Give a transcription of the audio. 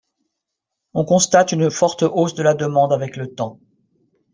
On constate une forte hausse de la demande avec le temps.